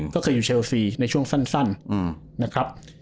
ก็เคยอยู่เชลซีในช่วงสั้นนะครับ